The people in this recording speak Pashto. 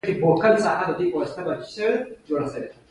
د انسان د بدن په اړه مطالعه پیل شوه.